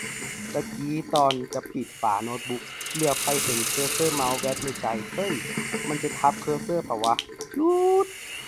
ตะกี้ตอนจะปิดฝาโน๊ตบุ๊ก เหลือบไปเห็นเคอร์เซอร์เมาส์ แว๊บในใจ เฮ้ย มันจะทับเคอร์เซอร์ป่าววะ หยู๊ดดด